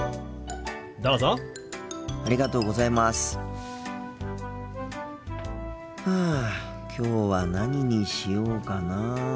心の声ふうきょうは何にしようかなあ。